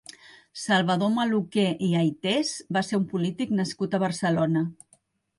Salvador Maluquer i Aytés va ser un polític nascut a Barcelona.